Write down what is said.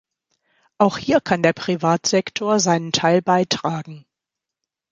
Auch hier kann der Privatsektor seinen Teil beitragen.